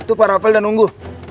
tuh para papel udah nunggu